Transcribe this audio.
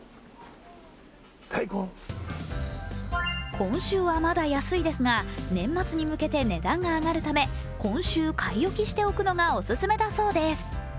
今週はまだ安いですが年末に向けて値段が上がるため今週買い置きしておくのがオススメだそうです。